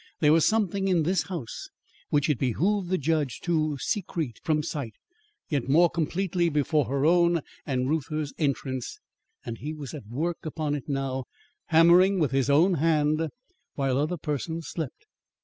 There was something in this house which it behooved the judge to secrete from sight yet more completely before her own and Reuther's entrance, and he was at work upon it now, hammering with his own hand while other persons slept!